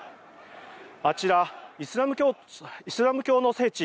あちら、イスラム教の聖地